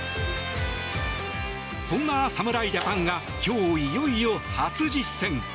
そんな侍ジャパンが今日、いよいよ初実戦。